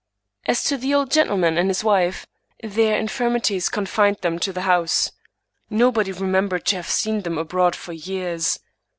As to the old gentleman and his wife, their infirmities confined them to the house. Nobody re membered to have seen them abroad for years.